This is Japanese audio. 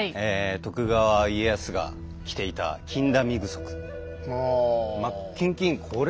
徳川家康が着ていた真っ金々